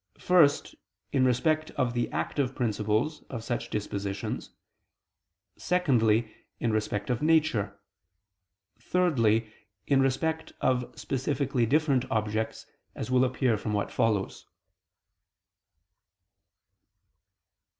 First, in respect of the active principles of such dispositions; secondly, in respect of nature; thirdly, in respect of specifically different objects, as will appear from what follows.